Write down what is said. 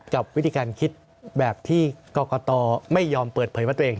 กับวิธีการคิดแบบที่กรกตไม่ยอมเปิดเผยว่าตัวเอง